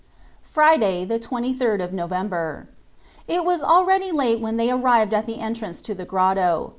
FRIDAY, the 23rd of November. It was already late when they arrived at the entrance to the grotto.